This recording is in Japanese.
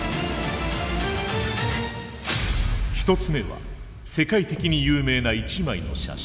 １つ目は世界的に有名な一枚の写真。